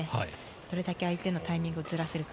どれだけ相手のタイミングをずらせるか。